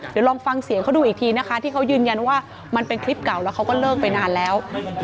เดี๋ยวลองฟังเสียงเขาดูอีกทีนะคะที่เขายืนยันว่ามันเป็นคลิปเก่าแล้วเขาก็เลิกไปนานแล้ว